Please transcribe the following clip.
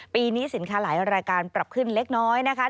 ปีนี้สินค้าหลายรายการปรับขึ้นเล็กน้อยนะคะ